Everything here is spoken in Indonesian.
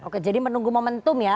oke jadi menunggu momentum ya